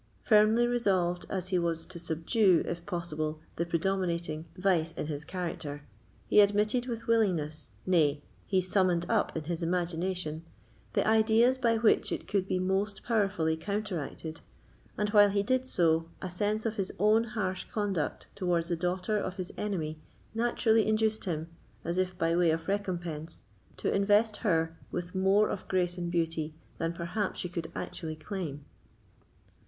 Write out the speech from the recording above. Firmly resolved as he was to subdue, if possible, the predominating vice in his character, he admitted with willingness—nay, he summoned up in his imagination—the ideas by which it could be most powerfully counteracted; and, while he did so, a sense of his own harsh conduct towards the daughter of his enemy naturally induced him, as if by way of recompense, to invest her with more of grace and beauty than perhaps she could actually claim.